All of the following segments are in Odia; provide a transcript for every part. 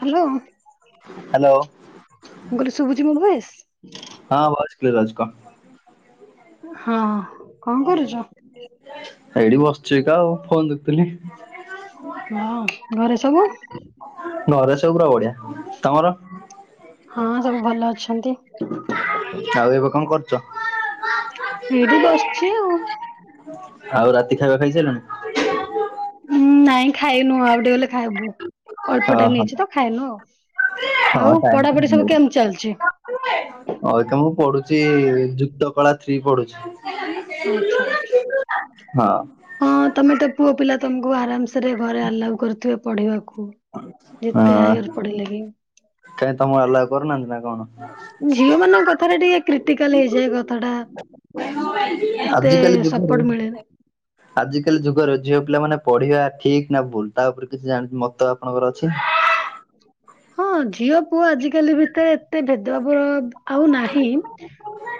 ହ୍ୟାଲୋ ମୁଁ ହ୍ୟାଲୋ କହିଲି ଶୁଭୁଜି ମୋ ଭଏସ୍? ହଁ ଭଏସ କ୍ଲିୟର ଆସୁଚି କହ? ହଁ କଣ କରୁଛ? ଏଇଠି ବସିଛି ତ ଆଉ ଫୋନ ଦେଖୁଥିଲି। ହଁ ଘରେ ସବୁ? ଘରେ ସବୁ ପୁରା ବଢିଆ। ତମର? ହଁ ସବୁ ଭଲ ଅଛନ୍ତି। ଆଉ ଏବେ କଣ କରୁଛ? ଏଇଠି ବସିଛି ଆଉ। ଆଉ ରାତି ଖାଇବା ଖାଇସାରିଲଣି? ଉଁ ନାଇଁ ଖାଇନୁ ଆଉ ଟିକେ ଗଲେ ଖାଇବୁ। ଅଳ୍ପ ଟାଇମ ଓହୋ ହେଇଛି ତ ଖାଇନୁ ଆଉ। ଆଉ ପଢାପଢି ସବୁ ହେଇଗଲାଣି। କେମିତି ଚାଲିଛି? ଆ ତ ମୁଁ ପଢୁଛି ଯୁକ୍ତ କଳା ଥ୍ରୀ ପଢୁଛି। ଆଛା ଆଛା। ହଁ ହଁ ତମେ ତ ପୁଅ ପିଲା ତମକୁ ଆରାମସରେ ଘରେ ଆଲାଉ କରୁଥିବେ ପଢିବାକୁ। ଯେତେ ହଁ ଆଇ ଘରେ ପଢିଲେବି। କାହିଁ ତମକୁ ଆଲାଉ କରୁନାହାନ୍ତି ନା କଣ? ଝିଅ ମାନଙ୍କ କଥାରେ ଟିକେ କ୍ରିଟିକାଲ ହେଇଯାଏ କଥା ଟା ଏତେ ଆଜିକାଲି ଯୁଗରେ ସପୋର୍ଟ ମିଳେନେ ଆଜିକାଲି ଯୁଗର ଝିଅ ପିଲା ମାନେ ପଢିବା ଠିକ୍ ନା ଭୁଲ୍ ତା ଉପରେ କିଛି ଜାଣି ମତ ବାବ୍ କଣଙ୍କର ଅଛି ହଁ ଝିଅ ପୁଅ ଆଜିକାଲି ଭିତରେ ଏତେ ଭେଦଭାବ ଆଉ ନାହିଁ।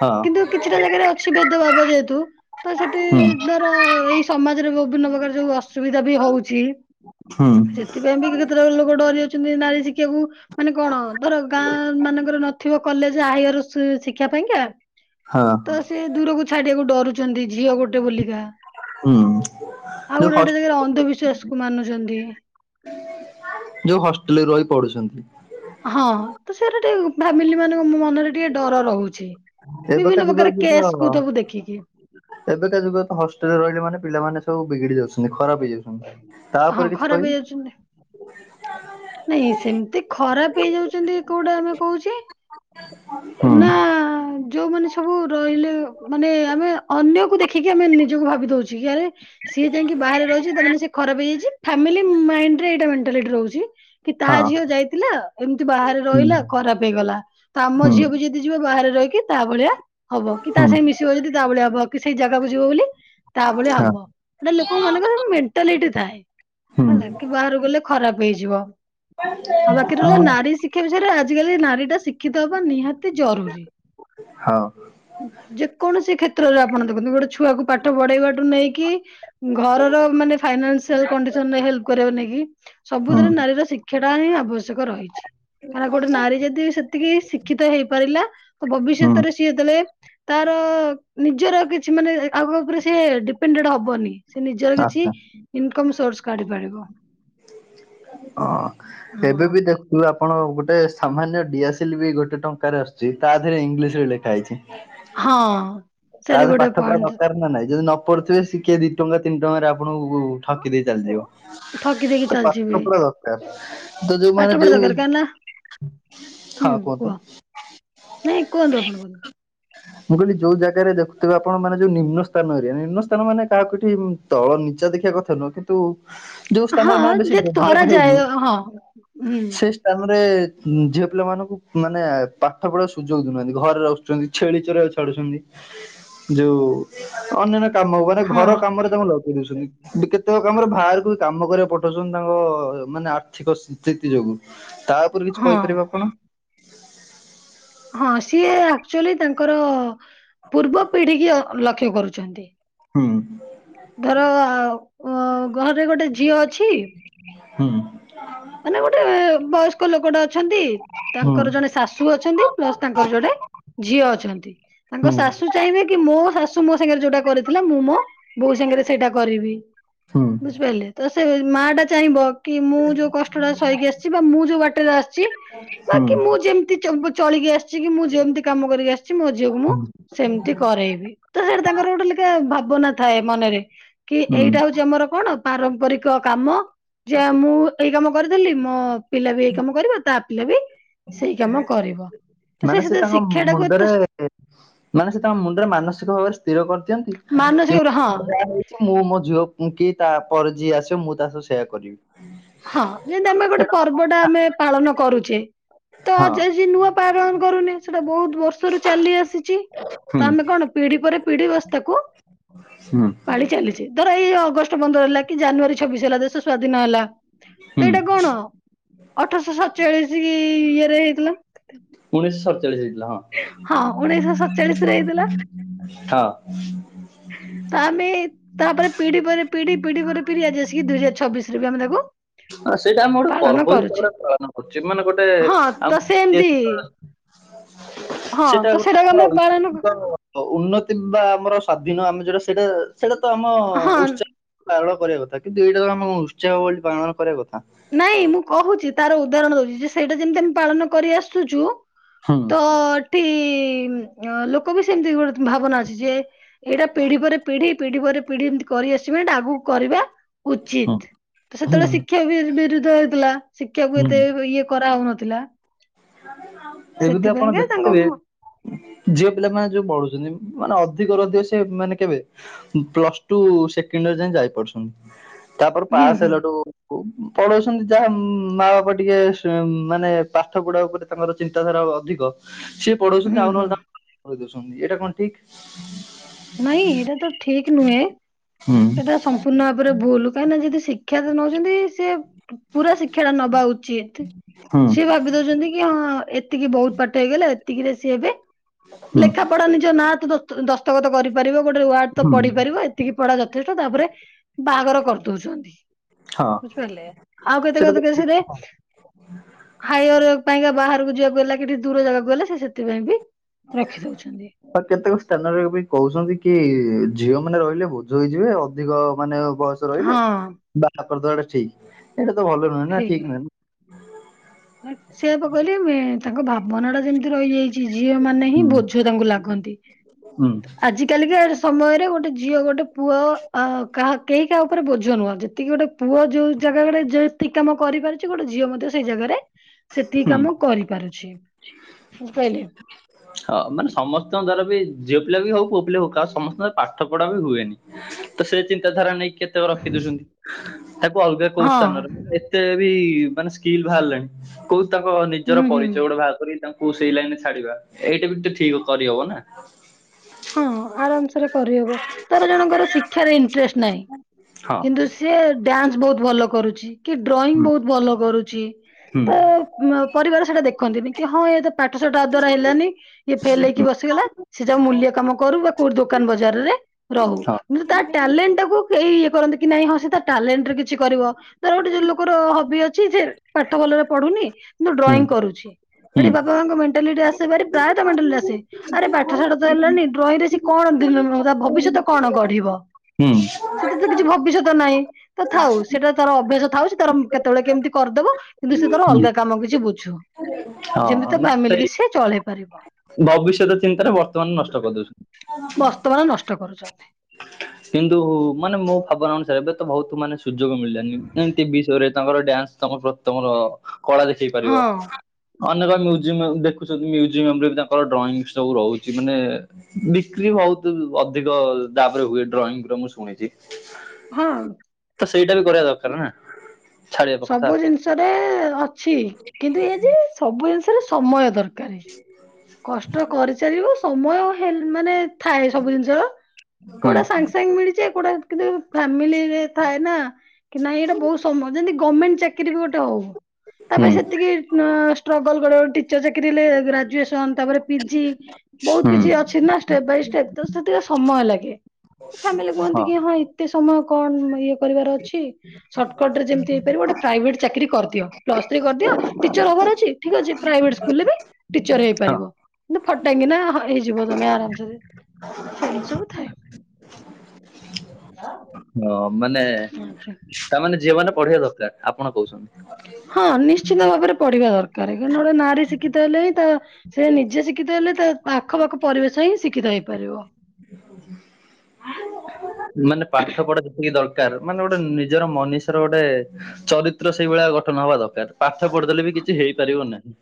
ହଁ କିନ୍ତୁ କିଛିଟା ଜାଗାରେ ଅଛି ବେଦ ଭାବ ଯେହେତୁ ତ ସେଠି ହୁଁ ଧ ଏଇ ସମାଜରେ ବିଭିନ୍ନ ପ୍ରକାର ଯୋଉ ଅସୁବିଧା ବି ହଉଛି ହୁଁ ସେଥିପାଇଁ ବି ଲୋକ ଡରି ଅ ଯାଉଛନ୍ତି ନାରୀ ଶିକ୍ଷାକୁ। ମାନେ କଣ ଧର ଗାଁ ମାନଙ୍କରେ ନଥିବ କଲେଜ୍ ହାଇଅର ଶିକ୍ଷା ପାଇଁକା ହଁ ଏତେ ଦୂରକୁ ଛାଡ଼ିବାକୁ ଡରୁଛନ୍ତି ଝିଅ ଗୋଟେ ବୋଲିକା ହୁଁ ଆଉ ଯୋଉ ଗୋଟେ ହସ୍ ଗୋଟେ ଜାଗାରେ ଅନ୍ଧବିଶ୍ଵାସ କୁ ମାନୁଛନ୍ତି। ଯୋଉ ହଷ୍ଟେଲରେ ରହି ପଢ଼ୁଛନ୍ତି। ହଁ ତ ସେରା ଟିକେ ଫାମିଲି ମାନଙ୍କ ମ ରେ ଟିକେ ଡର ରହୁଛି ଏବେକା ବିଭିନ୍ନ ପ୍ରକାର ଯୁଗରେ ଯୋଉ କେସ୍ ତ କୁ ସବୁ ଦେଖିକି ଏବେକା ଯୁଗ ତ ହଷ୍ଟେଲରେ ରହିଲେ ମାନେ ପିଲାମାନେ ସବୁ ବିଗିଡ଼ି ଯାଉଛନ୍ତି ଖରାପ ହେଇଯାଉଛନ୍ତି। ତା ହଁ ଉପରେ କିଛି ଖରାପ କହିବି ହେଇଯାଉଛନ୍ତି। ନାଇଁ ସେମିତି ଖରାପ ହେଇଯାଉଛନ୍ତି କୋଉଟା ଆମେ କହୁଛେ ହୁଁ ନା ଯୋଉମାନେ ସ୍ ସବୁ ରହିଲେ ମାନେ ଆମେ ଅନ୍ୟକୁ ଦେଖିକି ଆମେ ନିଜକୁ ଭାବି ଦଉଛେ କି ଆରେ ସିଏ ଯାଇକି ବାହାରେ ରହିଛି ତା ମାନେ ଖରାପ୍ ହେଇଯାଇଛି ଫାମିଲି ମାଇରେ ଏଇଟା ମେଣ୍ଟାଲିଟି ରହୁଛି। କି ତାହା ହଁ ଝିଅ ଯାଇଥିଲା ଏମିତି ବାହାରେ ହୁଁ ରହିଲା ଖରାପ୍ ହେଇଗଲା ତ ଆମ ହୁଁ ଝିଅ ଝିଅ ବି ଯଦି ଯିବ ବାହାରେ ରହିକି ତା ଭଳିଆ ହବ କି ତା ହୁଁ ସାଙ୍ଗେ ମିଶିବ ଯଦି ତା ଭଳିଆ ହବ। କି ସେଇ ଜାଗାକୁ ଯିବ ବୋଲି ତା ଭଳିଆ ହଁ ହବ ଗଟେ ଲୋକ ମାନଙ୍କର ମେଣ୍ଟାଲିଟି ଥାଏ। ହୁଁ ହେଲା କି ବାହାରାରୁ ଗଲେ ଖରାପ ହେଇଯିବ ଆଉ ବାକି ହଁ ରହିଲା ନାରୀ ରୀ ଶିକ୍ଷା ବିଷୟରେ ଆଜିକାଲି ନାରୀ ଟା ଶିକ୍ଷିତ ହବା ନିହାତି ଜରୁରୀ। ହଁ। ଯେକୌଣସି କ୍ଷେତ୍ରରେ ଆପଣ ଦେଖନ୍ତୁ ଗୋଟେ ଛୁଆକୁ ପାଠ ପଢେଇବାଠୁ ନେଇକି ଘରର ମାନେ ଫାଇନାସି କଣ୍ଡିସନରେ ହେଲ୍ପ କରି ନେଇ କି ହୁଁ ସବୁଥିରେ ନାରୀର ଶିକ୍ଷା ଟା ହିଁ ଆବଶ୍ୟକ ରହିଛି। କାରଁ ଗୋଟେ ନାରୀ ଯଦି ସେତିକି ଶିକ୍ଷିତ ହେଇପାରିଲା ତ ହୁଁ ଭବିଷ୍ୟତରେ ସିଏ ଯେତେବେଳେ ତାର ନିଜର କିଛି ମାନେ ଆଗ ଉପରେ ସେ ଡିପେ ପେଣ୍ଡେଡ୍ ହବନି ସେ ନିଜର କିଛି ଆଚ୍ଛା ଇନକମ ସୋର୍ସ କାଢି ପାରିବ। ହଁ ଏବେ ହଁ ବି ଦା ତୁ ଆପଣ ଗୋଟେ ସାମାନ୍ୟ ଡିଆସିଲ୍ ବି ଗୋଟେ ଟଙ୍କାରେ ଆସୁଛି ତା ଦେରେ ଇଂଲିଶ ରେ ଲେଖା ହେଇଛି। ହଁ ସେଠି ତାହେଲେ ବି ଗୋଟେ ପାଠ ପଢା ପଏଣ୍ଟ ଦରକାର ନା ନାଇଁ ଯଦି ନ ପଡିଥିବା କିଏ ଦି ଟଙ୍କା ତିନି ଟଙ୍କାରେ ଆପଣଙ୍କୁ ଠକି ଦେଇ ଚାଲିଯିବ ଓ- ଥକି ଦେଇକି ତ ଚାଲିଛି ବି ପାଠ ପଢା ଦରକାର ତ ପାଠ ଯୋଉମାନେ ପଢା ଯୋଉ ଦରକାର କାହିଁକି ନା ହୁଁ ହଁ କୁହ କୁହନ୍ତୁ। ନାଇଁ କୁହନ୍ତୁ ଆପଣ କୁହନ୍ତୁ। ମୁଁ କହିଲି ଯୋଉ ଜାଗାରେ ଦେଖୁଥିବି ଆପଣାନେ ଯଉ ନିମ୍ନ ସ୍ଥାନରେ ନିମ୍ନ ସ୍ଥାନ ମାନେ କାହାକୁ ଏଠି ତଳ ନିଚା ଦେଖିବା କଥା ନୁହଁ କିନ୍ତୁ ତ ଯୋଉ ସ୍ଥାନରେ ହଁ ମାନେ ବେଶୀ ଯେ ଡେଭ୍ଲପ ଧରାଯାଏ ହେଉନି ହଁ ହୁଁ ସେ ସ୍ଥାନରେ ଝିଅ ପିଲା ମାନଙ୍କୁ ମାନେ ପାଠ ପଢା ସୁଯୋଗ ଦଉନାହାନ୍ତି ଘରେ ରହୁ ଛେଳି ଚରେଇବାକୁ ଛାଡୁଛନ୍ତି ଯୋଉ ଅନ୍ୟାନ୍ୟ କାମ ମାନେ ହଁ ଘର କାମରେ ତାଙ୍କୁ ଲଗେଇ ଦଉଛନ୍ତି। କେତେକ କାମରେ ବାହାରକୁ ବି କାମ କରିବା ପଠଉଛନ୍ତି ତାଙ୍କ ମାନେ ଆର୍ଥିକ ସ୍ଥିତି ଯୋଗୁ। ତା ଉପରେ କିଛି ହଁ କହିପାରିବେ ଆପଣ। ହଁ ସିଏ ଆକ୍ଚୁଆଲି ତାଙ୍କର ପୂର୍ବ ପିଢୀ କି ଲକ୍ଷ୍ୟ କରୁଛନ୍ତି। ହୁଁ। ଧର ଅ ଘରେ ଗୋଟେ ଝିଅ ଅଛି ହୁଁ। ମାନେ ଗୋଟେ ବୟସ୍କ ଲୋକଟେ ଅଛନ୍ତି ହୁଁ ତାଙ୍କର ଜଣେ ଶାଶୁ ଅଛନ୍ତି। ପ୍ଲସ୍ ତାଙ୍କର ଯୋଡ଼େ ଝିଅ ଅଛନ୍ତି ହୁଁ ତାଙ୍କ ଶାଶୁ ଚାହିଁବେ କି ମୋ ଶାଶୁ ମୋ ସାଙ୍ଗରେ ଯୋଉଟା କରି ହେଲେ ମୁଁ ମୋ ବୋହୁ ସାଙ୍ଗେରେ ସେଇଟା କରିବି ହୁଁ ବୁଝିପାଇଲେ ତ ସେ ମାଟା ଚାହିଁବ। କି ମୁଁ ଯୋଉ କଷ୍ଟଟା ସହିକି ଆସିଚି ବା ମୁଁ ଯୋଉ ବାଟରେ ଆସିଚି ବା କି ମୁଁ ମୁଁ ହୁଁ ଯେମତି ଚବ ଚଳିକି ଆସିଚି କି ମୁଁ ଯେମତି କାମ କରିକି ଆସିଚି ମୋ ଝିଅକୁ ମୁଁ ସେମତି କରେଇବି ତ ସେଟା ତାଙ୍କର ଗୋଟେ ଅଲିକା ଭାବନା ଥାଏ ମନରେ। କି ହୁଁ ଏଇଟା ହଉଚି ଆମର କଣ ପାରମ୍ପରିକ କାମ ଯେ ମୁଁ ଏଇ କାମ କରିଦେଲି ମୋ ପିଲା ବି ଏଇ କାମ କରିବ ତା ପିଲା ବି ସେଇ କାମ କରିବ। ତ ମାନେ ସେ ସେଥିରେ ତାଙ୍କ ଶିକ୍ଷା ଟାକୁ ଏତେ ମୁଣ୍ଡରେ କେ ମାନେ ସେ ତାଙ୍କ ମୁଣ୍ଡରେ ମାନସିକ ଭାବରେ ସ୍ଥିର କରିଦିଅନ୍ତି ମାନସିକ କି ହଁ ମୁଁ ଯା ହଉ ମୁଁ ମୋ ଝିଅ କି ତାପରେ ଯିଏ ଆସିବ ମୁଁ ତା ସହ ସେୟା କରିବି। ହଁ ଯେନ୍ତି ଆମେ ଗୋଟେ ପର୍ବଟା ଆମେ ପାଳନ କରୁଚେ ତ ହଁ ଯେ ଜି ନୂଆ ପାରନ କରୁନି ସେଟା ବୋହୁତ ବର୍ ଷରୁ ଚାଲି ଆସିଚି ହୁଁ ତ ଆମେ କଣ ପିଢ଼ି ପରେ ପିଢ଼ି ବାସ୍ ତାକୁ ହୁଁ ପାଳି ଚାଲିଚେ ଧର ଏଇ ଅଗଷ୍ଟ ପନ୍ଦର ହେଲା କି ଜାନୁଆରୀ ଛବିଶ ହେଲା ଦେଶ ସ୍ଵାଧୀନ ହେଲା। ତ ହୁଁ ଏଇଟା କଣ ଅଠରଶ ସଡ଼ଚାଳିଶ କି ଇଏରେ ହେଇଥିଲା। ଉଣେଇଶହ ସଡ଼ଚାଳିଶି ହେଇଥିଲା ହଁ। ହଁ ଉଣେଇଶ ସଡ଼ଚାଳିଶରେ ହେଇଥିଲା। ହଁ। ହଁ [inaudible] ତ ଆମେ ତାପରେ ପିଢ଼ି ପରେ ପିଢ଼ି ପିଢ଼ି ପରେ ପିଢ଼ି ଆଜି ଆସିକି ଦୁଇ ହଜାର ଛିଶରେ ବି ଆମେ ତାକୁ ଅ ସେଇଟା ଆମେ ଗୋଟେ ପାଳନ ପର୍ବ କରୁଛେ ହିସାବରେ ପାଳନ କରୁଚେ ମାନେ ଗୋଟେ ହଁ ଆମ ତ ସେମିତି ଇତିହାସିକ ହଁ ତ ସେଟା ଗୋଟେ ସେଇଟାକୁ ଆମର ଆମେ ପାଳନ [inaudible] ଅ ଉନ୍ନତି ବା ଆମର ସ୍ଵାଧୀନ ଆମେ ଯୋଉଟା ସେଇଟା ସେଇଟା ତ ଆମ ହଁ ଉତ୍ସ ପାଳନ କରିବା କଥା କିନ୍ତୁ ଏଇଟା ତ ଆମକୁ ଉତ୍ସାବ ବୋଲି ପାଳନ କରିବା କଥା। ନାଇଁ ମୁଁ କହୁଚି ତାର ଉଦାହରଣ ଦଉଚି ଯେ ସେଇଟା ଯେମିତି ଆମେ ପାଳନ କରି ଆସୁଚୁ ହୁଁ ତ ଏଠି ଅଁ ଲୋକ ବି ସେମିତି ଗୋଟେ ଭାବନା ଅଛି ଯେ ଏଇଟା ପିଢ଼ି ପରେ ପିଢ଼ି ପିଢ଼ି ପରେ ପିଢ଼ି ଏମତି କରି ଆସିବେ‌। ଏଟା ଆଗୁକୁ କରିବା। ହୁଁ ଉଚିତ୍ ତ ହୁଁ ସେତୋଳେ ଶିକ୍ଷାକୁ ବି ବିରୁଦ୍ଧ ହୋଇଥିଲା ଶିକ୍ଷାକୁ ହୁଁ ଏତେ ଓ ଇଏ କରାହୋଉନଥିଲା। ଏମିତି ଆପଣ ତାଙ୍କ ଦେଖୁଥିବେ ମ- ଝିଅପିଲାମାନେ ଯୋଉ ପଢୁଚନ୍ତି ମାନେ ଅଧିକରୁ ଅଧିକ ସେ ମାନେ କେବେ ଉଁ ପ୍ଲସ୍ ଟୁ ସେକେଣ୍ଡ୍ ଯାଏଁ ଯାଇପାରୁଚନ୍ତି ତାପରେ ହୁଁ ପାସ୍ ହୁଁ ହେଲାଠୁ କୁ ପଢ଼ଉଛନ୍ତି ଯାହା ମା ବାପା ଟିକେ ସ୍ ମାନେ ପା ସେଗୁଡ଼ା ଉପରେ ତାଙ୍କର ଚିନ୍ତାଧାରା ଅଧିକ ସିଏ ପଢ଼ଉଚନ୍ତି ହୁଁ ଆଉ ହୁଁ ନହେଲେ ତା କହିଦଉଛନ୍ତି ଏଟା କଣ ଠିକ୍? ନାଇଁ ଏଟା ତ ଠିକ୍ ନୁହେଁ। ହୁଁ ସେଇଟା ସମ୍ପୂର୍ଣ୍ଣ ଭାବରେ ଭୁଲ କାହିଁ ନାଁ ଯେଦି ଶିକ୍ଷା ସେ ନଉଚନ୍ତି ସିଏ ପୁରା ଶିକ୍ଷାଟା ନବା ଉଚିତ୍ ହୁଁ ସିଏ ଭାବି ଦୋଉଚନ୍ତି ଇ ହଁ ଏତିକି ବହୁତ ପାଠ ହେଇଗଲା ଏତିକିରେ ସିଏ ଏବେ ହୁଁ ଲେଖା ପଢ଼ା ନିଜ ନାଁ ତ ଦସ୍ତ ଦସ୍ତଖତ କରିପାରିବ ଗୋଟେ ୱାର୍ଡ ତ ହୁଁ ପଢି଼ପାରିବ ଏତିକି ପଢ଼ା ଯ ତାପରେ ବାହାଘର କରିଦୋଉଚନ୍ତି ହଁ ବୁଝିପାଇଲେ? ଆଉ କେତେ ସେଟା ତ କେତେ କେସ୍ ରେ ଠିକ ହଁ ତେ ହାୟର୍ ପାଇଁକା ବାହାରୁକୁ ଯିବାକୁ ହେଲା କି ଟି ଦୂର ଜାଗାକୁ ହେଲା ସେ ସେଥିପାଇଁ ବି ଆ। ରଖି ଦଉଛନ୍ତି ଆଉ କେତେକ ସ୍ଥାନରେ ବି କହୁଛନ୍ତି କି ଝିଅମାନେ ରହିଲେ ବୋଝ ହେଇଯିବେ ଅଧିକ ମାନେ ବୟସ୍ ତ ରହିଲେ ହଁ ବାଟା କରଦବାଟା ଠିକ୍ ଏଇଟା ତ ଭଲ ନୁହେଁ ନାଁ ଠିକ୍ ନୁହେଁ। ମେପ୍ ସେଇଆ ପା କହିଲି ମେ ତାଙ୍କ ଭାବନାଟା ଯେମତି ରହିଯାଇ ଚି ଝିଅମାନେ ହିଁ ହୁଁ ବୋଝ ତାଙ୍କୁ ଲାଗନ୍ତି ହୁଁ ଆଜି କାଲିକା ସମୟରେ ଗୋଟେ ଝିଅ ଗୋଟେ ପୁଅ ଆ କାହା କେହି କାହା ଉପରେ ବୋଝ ନୁହଁ ଯେତିକି ଗୋଟେ। ପୁଅ ଯୋଉ ଜାଗା ଗୋଟେ ଯେତି କାମ କରିପାରୁଛି ଗୋଟେ ଝିଅ ମଧ୍ୟ ସେଇ ଜାଗାରେ। ସେତିକି ହୁଁ କାମ କରିପାରୁଛି ବୁଝିପାଇଲେ। ହଁ ମାନେ ସମସ୍ତଙ୍କ ଦ୍ୱାରା ବି ଝିଅ ପିଲା ବି ହଉ ପୁଅ ପିଲା ହଉ ଆଉ ସମସ୍ତଙ୍କର ପା ଠ ପଢା ବି ହୁଏନି ତ ସେ ଚିନ୍ତାଧାରା ନେଇକି କେ। ତକ ରଖି ଦଉଛନ୍ତି ତାକୁ ଅଲଗା କୋଉ ହଁ ସ୍ଥାନରୋନ ଏତେ ବି ମାନେ ସ୍କିଲ୍ ବାହାରିଲେଣି। କୋଉ ତାଙ୍କ ନିଜର ହୁଁ ହୁଁ ପରିଚୟ ଗୋଟେ ବାହାର କରିିକି ତାଙ୍କୁ। କୁ ସେଇ ଲାଇନ ରେ ଛାଡିବା ଏଇଟା ବି ତ ଠିକ କରିହବ ନା। ହଁ ଆରାମସରେ କରିହବ ତାର ଜଣଙ୍କର ଶିକ୍ଷାରେ ଇଣ୍ଟରେଷ୍ଟ ନାହିଁ ହଁ। କିନ୍ତୁ ସେ ସେ ଡ୍ୟାନ୍ସ ବହୁତ ଭଲ କରୁଛି କି ଡ୍ରଇଂ ହୁଁ ବହୁତ ଭଲ କରୁଛି ହୁଁ ତ ଉ ମ ପରିବାର ସେଇଟା ଦେଖନ୍ତିନି କି ହଁ ଏତ ପାଠଶାଠା ଆ ଦ୍ୱାରା ହେଲାନି। ଇଏ ଫେଲ ହେଇକି ହୁଁ ବସିଗଲା ସେ ଯଉ ମୂଲ୍ୟ କାମ କରୁ ବା କୋଉଠି ଦୋକାନ ବଜାରରେ। ରହୁ ହଁ କିନ୍ତୁ ତା ଟ୍ୟାଲେଣ୍ଟ ଟାକୁ କେହିଁ ଇଏ କରନ୍ତି କି ନାଇଁ ହଁ ସେ ତା ଟ୍ୟାଲେଣ୍ଟରେ କିଛି କରିବ। ହ। ର ହବି ଅଛି ଝେ ପାଠ ଭଲରେ ପଢୁନି କିନ୍ତ ହୁଁ ଡ୍ରଇଂ କରୁଛି ହେଟି ହୁଁ। ବ ବାଙ୍କ ମେଣ୍ଟାଲିଟି ଆସେ ଭାରି ପ୍ରାଏତ ମେଣ୍ଟାଲିଟି ଆସେ ଆରେ ପାଠ ଶାଠ ତ ହେଲାଣି। ଦେ ସି କଣ ଦି [unintelligible] ଭବିଷ୍ୟତ କଣ ଗଢିବ। ହୁଁ। ସେଥି ତ କିଛି ଭବିଷ୍ୟତ ନାହିଁ ତଥାଉ ସେଇଟା। ତାର ଅଭ୍ୟାସ ଥାଉ ସେ ତାର ଉ କେତେବେଳେ କେମିତି କରିଦବ କିନ୍ତୁ ସେ ତର ହୁଁ। ଅଲଗା କାମ କିଛି ବୁଝୁ। ହଁ ଯେମିତି ତା ନା ଫ୍ୟାମିଲି ସେଇ କି ସିଏ ଚଳେଇ ପାରିବ। ଭବିଷ୍ୟତ ଚିନ୍ତାରେ ବର୍ତ୍ତମାନ ନଷ୍ଟ କରିଦଉଛନ୍ତି। ବସ୍ତ ମାନ ନଷ୍ଟ କରୁଛନ୍ତି। କିନ୍ତୁ ମାନେ ମୋ ଭାବନା ଅନୁସାରେ ଏବେ ତ ବହୁତ ମାନେ ସୁଯୋଗ ମିଳିଲାନି ଏମିତି ବିଷୟରେ। ତାଙ୍କର ଡ୍ୟାନ୍ସ ତମ ପ୍ର ତମର କଳା ଦେଖେଇ ପାରିବ। ହଁ ଅନେକ ମ୍ୟୁଜିୟମ ଦେଖୁଛନ୍ତି ମ୍ୟୁଜିୟମ ରେ ବି ତାଙ୍କର ଡ୍ରଇଂ ସବୁ ରହୁଛି ମାନେ। ବିକ୍ରି ବହୁତ ଅଧିକ ଦାବରେ ହୁଏ ଡ୍ରଇଂର ମୁଁ ଶୁଣିଛି। ହଁ। ତ ସେଇଟା ବି କରିବା ଦରକାର ନା ଛାଡିବା କଥା ସବୁ ଜିନିଷରେ ଅଛି କିନ୍ତୁ ଏଇ ଯେ ସବୁ ଜିନିଷରେ ସମୟ ଦରକାର [unintelligible] କଷ୍ଟ କରି ଚାଲିବୁ ସମୟ ହେ ମାନେ ଥାଏ ସବୁ ଜିନିଷର ହୁଁ କୋଉଟା ସାଙ୍ଗେ ସାଙ୍ଗେ ମିଳିଛି କୋଉଟା କିମିତି ଫାମିଲିରେ ଥାଏ ନା କି ନାଇଁ ଏଇଟା ବହୁତ ସମ ଯେମିତି ଗମେଣ୍ଟ ଚା କିରି ବି ଗୋଟେ ହଉ ତା ହୁଁ ପରେ ସେତିକି ନାଁ ଷ୍ଟ୍ରଗଲ କରିବା ଗୋଟେ ଟିଚର ଚାକିରି ହେଲେ ଗ୍ରାଜୁଏସ କଣ ତାପରେ ପିଜି ବହୁତ ହୁଁ କିଛି ଅଛି ନା ଷ୍ଟେପବାଇ ଷ୍ଟେପେ ତ ସେତିକ ସମୟ ଲାଗେ ଫ୍ୟାମିଲି କୁହନ୍ତି କି ହଁ ଏତେ ସମୟ କଣ ଇଏ କରିବାର ଅଛି ସର୍ଟକଟରେ ଯେମିତି ହେଇପାରିବ ଗଟେ ପ୍ରାଇଭେଟ ଚାକିରି କରିଦିଅ ପ୍ସ ଥ୍ରୀ କରିଦିଅ। ଟିଚର ହବାର ଅଛି ଠିକ୍ ଅଛି ପ୍ରାଇଭେଟ୍ ସ୍କୁଲରେ ବି ଟିଚର ହେଇବି ହଁ ପାରିବ କିନ୍ତ ଫଟାଙ୍ଗି ନା ହ ହେଇଯିବ ତମେ ଆରାମସରେ ସେମିତି ସବୁ ଥାଏ। ହଁ ମାନେ ଆଚ୍ଛା। ତା ମାନେ ଝିଅ ମାନେ ପଢେଇବା ଦରକାର ଆପଣ କହୁଛନ୍ତି। ହଁ ନିଶ୍ଚିତ ଭାବରେ ପଢିବା ଦରକାର କାରଣ ଗୋଟେ ନାରୀ ଶିକ୍ଷିତ ହେଲେ ହିଁ ତା ସେ ନିଜେ ଶିକ୍ଷିତ ହେଲେ ତା ଆଖପାଖ ପରିବେଶ ହିଁ ଶିକ୍ଷିତ ହେଇପାରିବ। [unintelligible] ହେଁ ମାନେ ପାଠ ପଢା ଯେତିକି ଦରକାର ମାନେ ଗୋଟେ ନିଜର ମନିଷର ଗୋଟେ ଚରିତ୍ର ସେଇଭଳିଆ ଗଠନ ହବା ଦରକାର ପାଠ ପଢିଦେଲେ ବି କିଛି ହେଇପାରିବ ନାହିଁ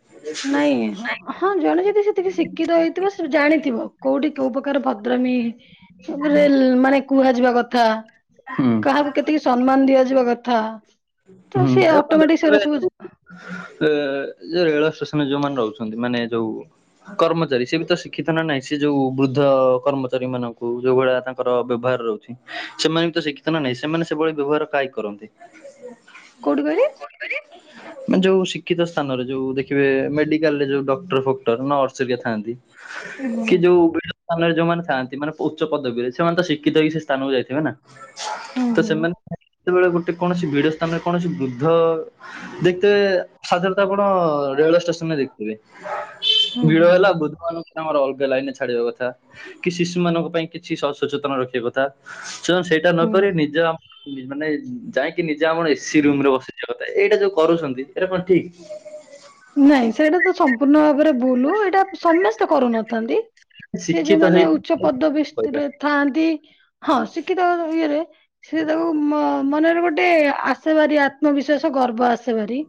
ନାଇଁଁ ହଁ ହଁ ଜଣେ ଯଦି ସେତିକି ଶିକ୍ଷିତ ହେଇ ଥିବ ସେ ଜାଣିଥିବ କୋଉଠି କୋଉ ପ୍ରକାର ଭଦ୍ରମୀରେ ମାନେ କୁହାଯିବା କଥା ହୁଁ। କାହାକୁ କେତିକି ସମ୍ମାନ ଦିଆଯିବା କଥା। ତ ସେ ଅଟୋମେଟିକ ସେଟା ସବୁ ଏ ରେଳ ଷ୍ଟେସନରେ ଯୋଉମାନେ ରହୁଛନ୍ତି ମାନେ ଯୋଉ କର୍ମଚାରୀ ସେ ବି ତ ଶିକ୍ଷିତ ନା ନାହିଁ, ସେ ଯୋଉ ବୃଦ୍ଧ କର୍ମଚାରୀ ମାନଙ୍କୁ ଯୋଉ ଭଳିଆ ତାଙ୍କର ବ୍ୟବହାର ରହୁ ଛି, ସେମାନେ ବି ତ ଶିକ୍ଷିତ ନା ନାହିଁ ସେମାନେ ସେଭଳି ବ୍ୟବହାର କାହିଁ କରନ୍ତି? କୋଉଠି କହିଲେ? କୋଉଠି? ମାନେ ଯୋଉ ଶିକ୍ଷିତ ସ୍ଥାନରେ, ଯୋଉ ଦେଖିବେ ମେଡିକାଲ ରେ ଯୋଉ ଡକ୍ଟର ଫକ୍ଟର ନର୍ସ ଥାନ୍ତି ହୁଁ କି ଯୋଉ ବେ ସ୍ଥାନରେ ଯୋଉମାନେ ଥାନ୍ତି, ମାନେ ଉଚ୍ଚ ପଦବୀରେ, ସେମାନେ ତ ଶିକ୍ଷିତ ହେଇକି ସେ ସ୍ଥାନକୁ ଯାଇଥିବେ ନା? ହୁଁ ତ ହୁଁ ସେମାନେ ଯେତେବେଳେ ଗୋଟେ କୌଣସି ଭିଡ ସ୍ଥାନରେ କୌଣସି ବୃଦ୍ଧ ଦେଖିବେ ସାଧାରଣତଃ ଆପଣ ରେଳୱ ଷ୍ଟେସନରେ ଦେଖିବେ। ହୁଁ ଭିଡ଼ ହୁଁ। ହେଲା ବୁଦ୍ଧ ମାନଙ୍କୁ ଆମର ଅଲଗା ଲାଇନ୍ ରେ ଛାଡିବା କଥା, କି ଶିଶୁ ମାନଙ୍କ ପାଇଁ କିଛି ସଚେତନ ରଖିବା କଥା ସେମାନେ ସେଇଟା ହୁଁ ନକରି ନିଜେ ଆମ ମାନେ ଯାଇକି ନିଜେ ଆମର ଏସି ରୁମ୍ ରେ ବସିଯିବା କଥା ଏଇଟା ଯୋଉ କରୁଛନ୍ତି ଏଇଟା କଣ ଠିକ୍? ନାଇଁ ସେଇଟା ତ ସମ୍ପୂର୍ଣ୍ଣ ଭାବରେ ଭୁଲ୍ ଏଇଟା ସମସ୍ତେ କରୁନଥାନ୍ତି ସେ ଶିକ୍ଷିତ ଯୋଉମାନେ ଉଚ୍ଚ ହେଇକି ପଦବୀ କହିବା ସ୍ଥିରେ ଥାନ୍ତି, ହଁ ଶିକ୍ଷିତ ଇଏରେ ସେ ତାକୁ ମ ମନରେ ଗୋଟେ ଆସେବାରି ଆତ୍ମବିଶ୍ଵାସ ଗର୍ବ ଆସେବାରି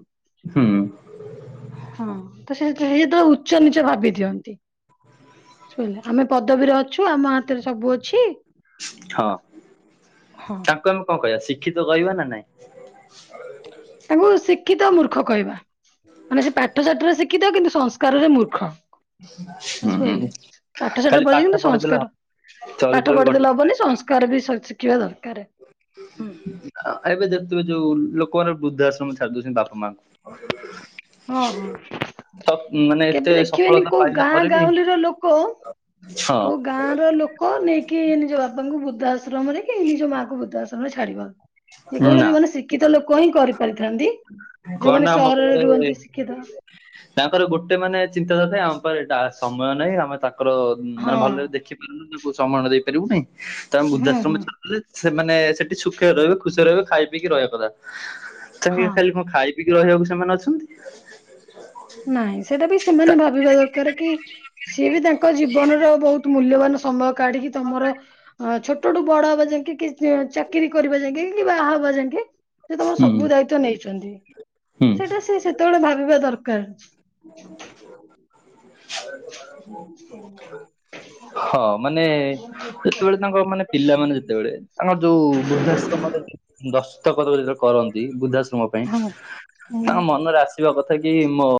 ହୁଁ। ହଁ ତ ସେତ ହେଇ ଉଚ ନିଚ ଭାବି ଦିଅନ୍ତିୁି, ସଇଲା ଆମେ ପଦବୀରେ ଅଛୁ ଆମ ହାତରେ ସବୁ ଅଛି ହଁ। ହଁ ତାଙ୍କୁ ଆମେ କଣ କହିବା ଶିକ୍ଷିତ କରିବାହ ନା ନାଇଁ? ତାଙ୍କୁ ଶିକ୍ଷିତ ମୂର୍ଖ କହିବା। ମାନେ ସେ ପାଠ ସାଠରେ ଶିଖିତ କିନ୍ତୁ ସଂସ୍କାରରେ ମୂର୍ଖ। ହୁଁ ବୁଝିପାଇଲେ ପାଠ ସାାଠ ଖାଲି ପଢି କିନ୍ତୁ ପାଠ ପଢିଦେଲେ ସଂସ୍କାର ହବ ପାଠ ଚରିତ୍ର ବି ପଢିଦେଲେ ହବନି ସଂସ୍କାର କାର ବି ସବୁ ଶି କିିବା ଦରକାରେ। [inaudible] ଏବେ ଦେଖୁଥିବେ ଯୋଉ ଲୋକମାନେ ବୃଦ୍ଧାଶ୍ରମ ଛାଡି ଦଉଛନ୍ତି ବାପା ମା ହଁ ହଁ। ତ ମନେ କେବେ ଦେଖିବେନି କୋଉ ଗାଁ ଗାାଉଁଲିର ଲୋକ ହଁ କୋଉ ଗାଁ ର ଲୋ କ ନେଇକି ନିଜ ବାପାଙ୍କୁ ବୃଦ୍ଧା ଆଶ୍ରମରେ କି ନିଜ ମାଆଙ୍କୁ ବୃଦ୍ଧା ଆଶ୍ରମରେ ଛାଡିବା। ସେ କେବଳ ନା ଯୋଉମାନେ ଶିକ୍ଷିତ ଲୋକ ହିଁ କରିପାରିଥାନ୍ତି। କଣ ଯୋଉମାନେ ନା ଆମ ସହରରେ ପାଖରେ ରୁହନ୍ତି ଶିକ୍ଷିତ ତାଙ୍କର ଗୋଟେ ମାନେ ଚିନ୍ତାଧାତାରା ଆମ ପା ଏଇଟା ସମୟ ନାହିଁ ଆମେ ତାଙ୍କର ହଁ ମାନେ ଭଲରେ ଦେଖିପାରିବୁନୁ ତାକୁ ସମୟ ଦେଇପାରିବୁନି ତ ହୁଁ ହୁଁ ବୃଦ୍ଧାଶ୍ରମ ଛ ସେମାନେେ ସେଠି ସୁଖରେ ରହିବେ ଖୁସିରେ ରହିବେ ଖାଇ ପିକି ରହିବା କଥା। ହଁ ତାହେଲେ କଣ ଖାଲି ଖାଇ କି ରହିବାକୁ ସେମାନେ ଅଛନ୍ତି। ନାଇଁ ସେଇଟା ବି ସେମାନେ ତା- ଭାବିବା ଦରକାର କି ସିଏ ବି ତାଙ୍କ ଜୀବନର ବୋହୁତ୍ ମୂଲ୍ୟବାନ ସମୟ କାଢିକି ତମର ହଁ ଛୋଟ ଡୁ ବଡ ହବା ଯାକେ କିଛ ଚାକିରି କରିବା ଯାକେ କି ବାହା ହବା ଯାକେ ସେ ତମର ହୁଁ ସବୁ ଦାୟିତ୍ଵ ନେଇଛନ୍ତି। ହୁଁ ସେଇଟା ସେ ସେତେବେଳେ ଭାବିବା ଦରକାର। [unintelligible] ହଁ ମାନେ ଯେତେବେଳେ ତାଙ୍କ ମାନେ ପିଲାମାନେ ଯେତେବେଳେ ତାଙ୍କ ଯୋଉ ବୃଦ୍ଧାଶ୍ରମରେ ଦସ୍ତକତ ଯେତେବେଳେ କରନ୍ତି, ବୃଦ୍ଧାଶ୍ରମ ପାଇଁ ହଁ ତା ହୁଁ। ମନରେ ଆସ ଇବା କଥା କି ମୋ